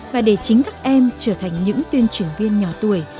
và để chính các em trở thành những tuyên truyền viên nhỏ tuổi